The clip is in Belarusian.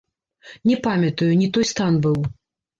Не памятаю, не той стан быў.